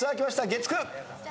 月９。